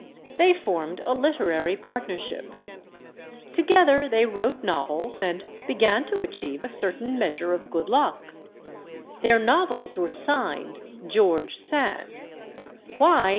They formed a literary partnership. Together they wrote novels and began to achieve a certain measure of good luck. Their novels were signed "George Sand." Why.